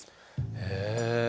へえ。